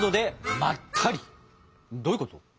どういうこと？